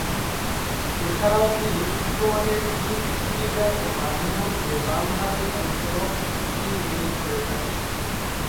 এছাড়াও, তিনি উচ্চমানের স্লিপ ফিল্ডার ও মাঝে-মধ্যে বামহাতি অর্থোডক্স স্পিন বোলিং করে থাকেন।